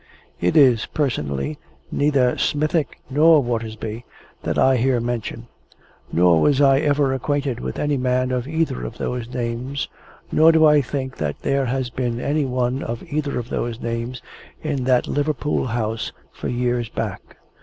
It is, personally, neither Smithick, nor Watersby, that I here mention, nor was I ever acquainted with any man of either of those names, nor do I think that there has been any one of either of those names in that Liverpool House for years back.